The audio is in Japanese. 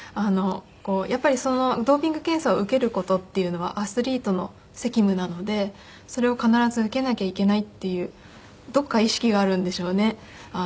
やっぱりドーピング検査を受ける事っていうのはアスリートの責務なのでそれを必ず受けなきゃいけないっていうどこか意識があるんでしょうね。